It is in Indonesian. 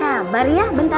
sabar ya bentar